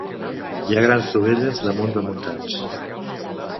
Hi ha grans dovelles damunt de muntants.